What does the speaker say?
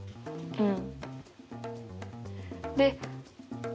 うん。